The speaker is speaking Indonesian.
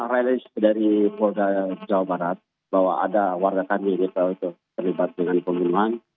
kami sudah relis dari polgaya jawa barat bahwa ada warga kami yang terlibat dengan pemerintahan